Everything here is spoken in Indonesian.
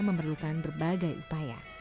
memerlukan berbagai upaya